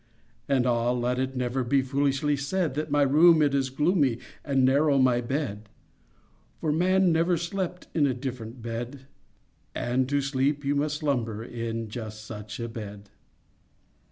And ah! let it never Be foolishly said That my room it is gloomy And narrow my bed; For man never slept In a different bed— And, to sleep, you must slumber In just such a bed.